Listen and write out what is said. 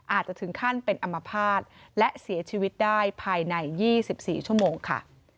อาจจะถึงขั้นเป็นอมภาษณ์และเสียชีวิตได้ภายใน๒๔ชั่วโมงค่ะ